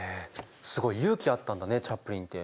すごい勇気あったんだねチャップリンって。